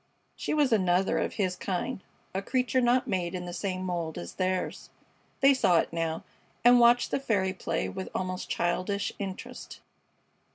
She was another of his kind, a creature not made in the same mold as theirs. They saw it now, and watched the fairy play with almost childish interest.